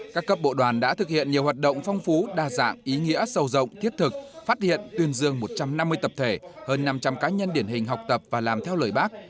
các cấp bộ đoàn đã thực hiện nhiều hoạt động phong phú đa dạng ý nghĩa sâu rộng thiết thực phát hiện tuyên dương một trăm năm mươi tập thể hơn năm trăm linh cá nhân điển hình học tập và làm theo lời bác